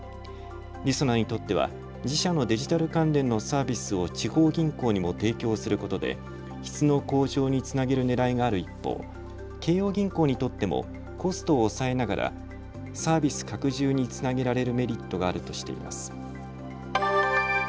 りそなにとっては自社のデジタル関連のサービスを地方銀行にも提供することで質の向上につなげるねらいがある一方、京葉銀行にとってもコストを抑えながらサービス拡充につなげられるメリットがあるとしています。